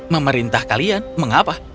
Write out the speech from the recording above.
memerintah kalian mengapa